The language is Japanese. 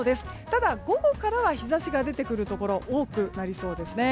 ただ午後からは日差しが出てくるところ多くなりそうですね。